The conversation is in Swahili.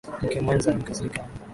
Mke mwenza amekasirika.